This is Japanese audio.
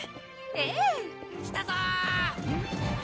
ええ。来たぞー！